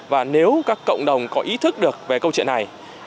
và nếu các cộng đồng có ý thức được về câu chuyện này